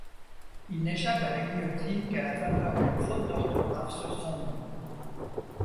Il n'échappe à la guillotine qu'à la faveur d'une faute d'orthographe sur son nom.